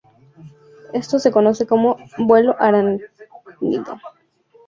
Esto se conoce como vuelo arácnido.